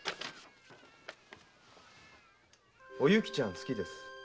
「おゆきちゃんすきです。